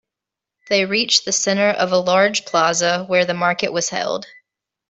They reached the center of a large plaza where the market was held.